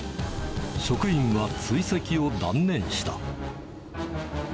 職員は追跡を断念した。